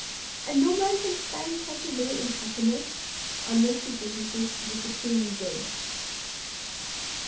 And no man can spend such a day in happiness unless he possesses the Supreme Good.